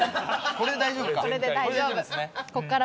これで大丈夫。